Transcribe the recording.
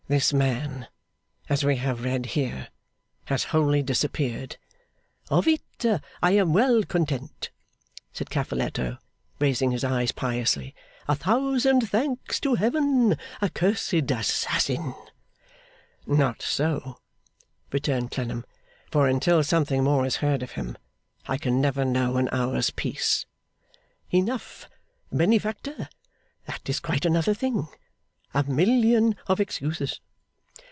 'This man, as we have read here, has wholly disappeared.' 'Of it I am well content!' said Cavalletto, raising his eyes piously. 'A thousand thanks to Heaven! Accursed assassin!' 'Not so,' returned Clennam; 'for until something more is heard of him, I can never know an hour's peace.' 'Enough, Benefactor; that is quite another thing. A million of excuses!